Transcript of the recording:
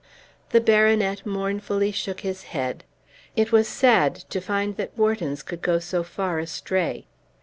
The baronet mournfully shook his head. It was sad to find that Whartons could go so far astray.